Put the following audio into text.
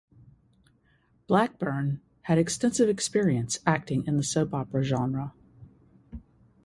Blackburn had extensive experience acting in the soap opera genre.